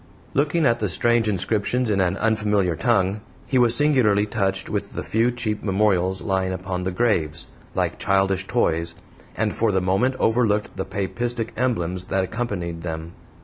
Looking at the strange inscriptions in an unfamiliar tongue, he was singularly touched with the few cheap memorials lying upon the graves like childish toys and for the moment overlooked the papistic emblems that accompanied them.